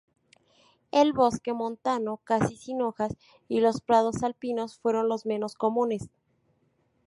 El bosque montano casi sin hojas y los prados alpinos fueron los menos comunes.